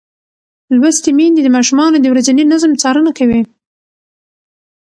لوستې میندې د ماشومانو د ورځني نظم څارنه کوي.